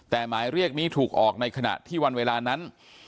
แต่หมายเรียกนี้ถูกออกในขณะที่วันเวลานั้น